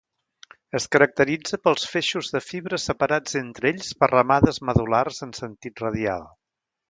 Es caracteritza pels feixos de fibres separats entre ells per ramades medul·lars en sentit radial.